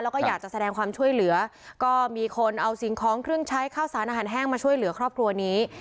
แล้วก็อยากจะแสดงความช่วยเหลือก็มีคนเอาสิ่งของเครื่องใช้ข้าวสารอาหารแห้งมาช่วยเหลือครอบครัวนี้